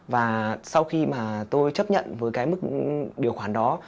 và sau khi mà tôi chấp nhận với cái mức điều khoản đó